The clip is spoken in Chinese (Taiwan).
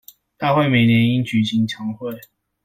大會每年應舉行常會